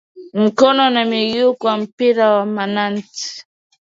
mikono na miguu kwa mpira wa manati